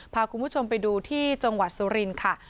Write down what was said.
พาคุณผู้ชมไปดูที่จังหวัดสุรินทร์ค่ะ